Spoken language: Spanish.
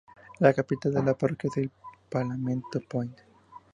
La capital de la parroquia es Palmetto Point.